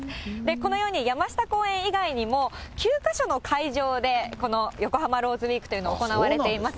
このように山下公園以外にも、９か所の会場で、この横浜ローズウィークというのが行われています。